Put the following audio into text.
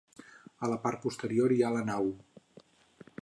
A la part posterior hi ha la nau.